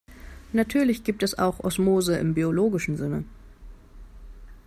Natürlich gibt es auch Osmose im biologischen Sinne.